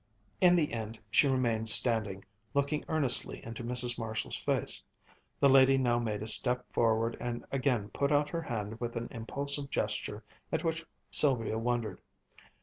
In the end she remained standing, looking earnestly into Mrs. Marshall's face. That lady now made a step forward and again put out her hand with an impulsive gesture at which Sylvia wondered.